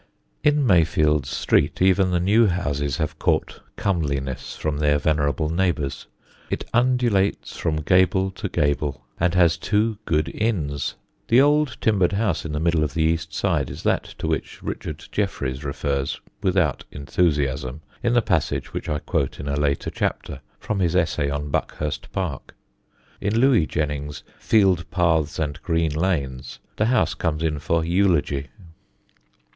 In Mayfield's street even the new houses have caught comeliness from their venerable neighbours. It undulates from gable to gable, and has two good inns. The old timbered house in the middle of the east side is that to which Richard Jefferies refers without enthusiasm in the passage which I quote in a later chapter from his essay on Buckhurst Park. In Louis Jennings' Field Paths and Green Lanes the house comes in for eulogy.